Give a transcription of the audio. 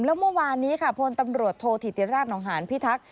แล้วเมื่อวานนี้ค่ะพลตำรวจโทษธิติราชนองหานพิทักษ